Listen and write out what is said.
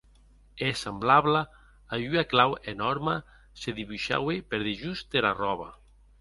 E semblabla a ua clau enòrma se diboishaue per dejós dera ròba.